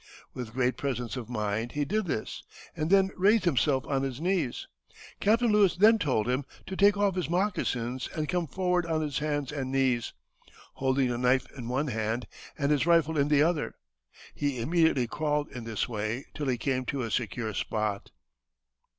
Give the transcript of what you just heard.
With great presence of mind he did this, and then raised himself on his knees. Captain Lewis then told him to take off his moccasins and come forward on his hands and knees, holding the knife in one hand and his rifle in the other. He immediately crawled in this way till he came to a secure spot."